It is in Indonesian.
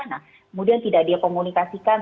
nah kemudian tidak dia komunikasikan